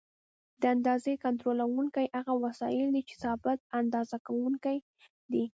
د اندازې کنټرولوونکي هغه وسایل دي چې ثابت اندازه کوونکي دي.